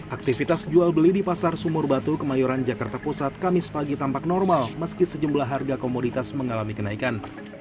aktivitas jual beli di pasar sumur batu kemayoran jakarta pusat kamis pagi tampak normal meski sejumlah harga komoditas mengalami kenaikan